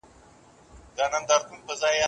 هومر کومه مشهوره کيسه ليکلې ده؟